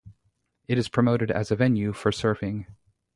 It is promoted as a venue for surfing.